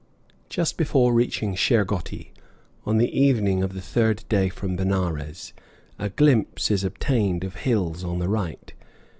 Just before reaching Shergotti, on the evening of the third day from Benares, a glimpse is obtained of hills on the right.